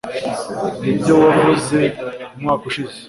nibyo wavuze umwaka ushize